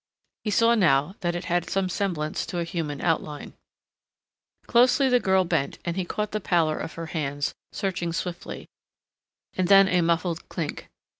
He saw now that it had some semblance to a human outline. Closely the girl bent and he caught the pallor of her hands, searching swiftly, and then a muffled clink....